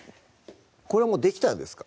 これはもうできたんですか？